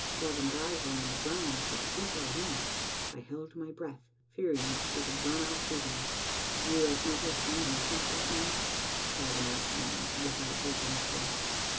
Gavin's eyes were on the ground, but she saw him. I held my breath, fearing that she would run out to him. " You have never seen her since that night?" Gavin asked me, without hope in his voice.